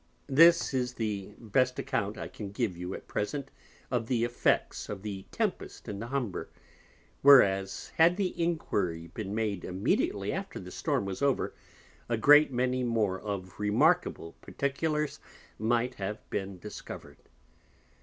This is the best Account I can give you at present of the Effects of the Tempest in the Humber; whereas had the Enquiry been made immediately after the Storm was over, a great many more of remarkable Particulars might have been discover'd.